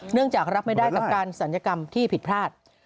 จากรับไม่ได้กับการศัลยกรรมที่ผิดพลาด